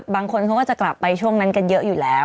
บางคนเขาก็จะกลับไปช่วงนั้นกันเยอะอยู่แล้ว